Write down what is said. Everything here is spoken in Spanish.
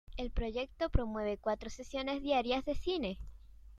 El proyecto promueve cuatro sesiones diarias de cine.